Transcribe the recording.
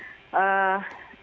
tidak ada perubahan kita tetap